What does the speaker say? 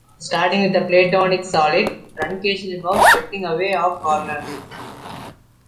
Starting with a Platonic solid, truncation involves cutting away of corners.